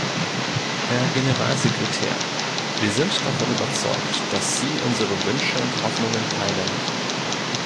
Herr Generalsekretär, wir sind davon überzeugt, dass Sie unsere Wünsche und Hoffnungen teilen.